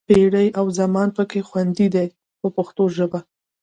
پېړۍ او زمان پکې خوندي دي په پښتو ژبه.